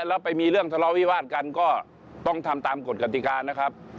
แล้วไปมีเรื่องทะเลาวิวาสกันก็ต้องทำตามกฎกติกานะครับ